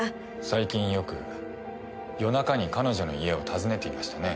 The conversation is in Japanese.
最近よく夜中に彼女の家を訪ねていましたね。